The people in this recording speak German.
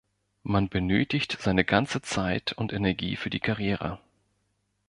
Man benötigt seine ganze Zeit und Energie für die Karriere.